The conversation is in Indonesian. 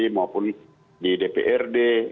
maupun di dprd